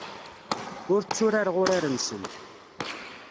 Ur tturareɣ urar-nsen.